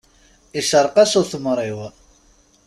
Iceṛeq-as utemṛiw.